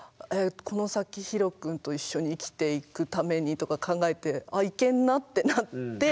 この先ひろ君と一緒に生きていくためにとか考えて「あっいけんな」ってなって。